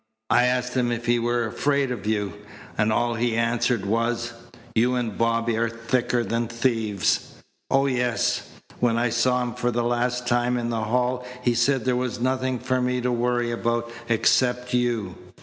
I asked him if he were afraid of you, and all he answered was: 'You and Bobby are thicker than thieves.' Oh, yes. When I saw him for the last time in the hall he said there was nothing for me to worry about except you.